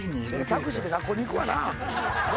タクシーで学校に行くわな